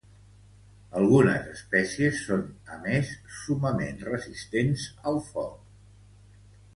Algunes espècies són a més summament resistents al foc.